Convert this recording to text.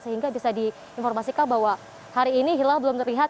sehingga bisa diinformasikan bahwa hari ini hilal belum terlihat